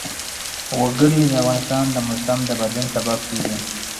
وګړي د افغانستان د موسم د بدلون سبب کېږي.